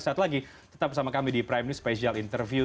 saat lagi tetap bersama kami di prime news special interview